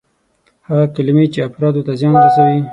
هغه کلمې چې افرادو ته زیان رسوي.